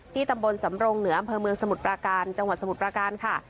ตำบลสำรงเหนืออำเภอเมืองสมุทรปราการจังหวัดสมุทรประการค่ะ